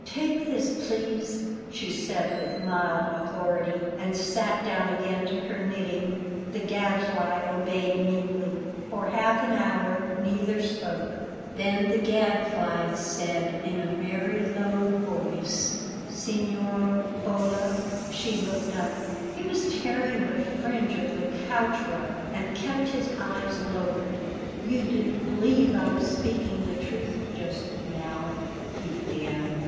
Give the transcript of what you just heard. "Take this, please," she said with mild authority; and sat down again to her knitting. The Gadfly obeyed meekly. For half an hour, neither spoke. Then the Gadfly said in a very low voice: "Signora Bolla!" She looked up. He was tearing the fringe of the couch rug, and kept his eyes lowered. "You didn't believe I was speaking the truth just now," he began.